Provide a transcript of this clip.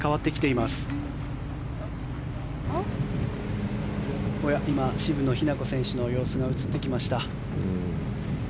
おや、今渋野日向子選手の様子が映ってきました。